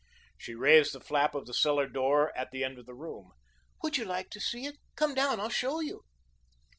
She raised the flap of the cellar door at the end of the room. "Would you like to see? Come down; I'll show you."